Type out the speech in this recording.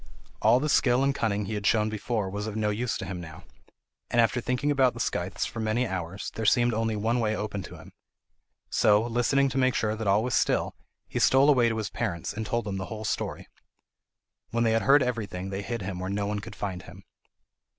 All the skill and cunning he had shown before was of no use to him now, and after thinking about the scythes for many hours, there seemed only one way open to him. So, listening to make sure that all was still, he stole away to his parents, and told them the whole story. When they had heard everything, they hid him where no one could find him.